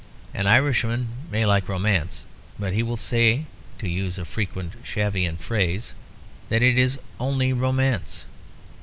An Irishman may like romance, but he will say, to use a frequent Shavian phrase, that it is "only romance."